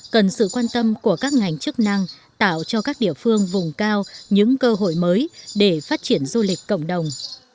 cần sự quan tâm của các ngành chức năng tạo cho các địa phương vùng cao những cơ hội mới để phát triển du lịch cộng đồng